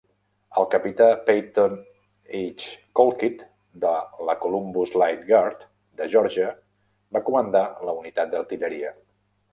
El capità Peyton H. Colquitt de la Columbus Light Guard de Geòrgia va comandar la unitat d'artilleria.